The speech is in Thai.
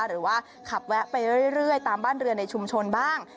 หรือว่าขับแวะไปเรื่อยตามบ้านเรือนในชุมชนบ้าง